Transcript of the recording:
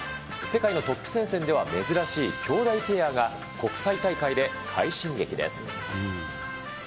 世界のトップ戦線では、珍しい兄妹ペアが国際大会で快進撃です。